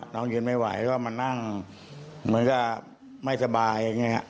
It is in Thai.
น้องยืนไม่ไหวก็มานั่งเหมือนกับไม่สบายไง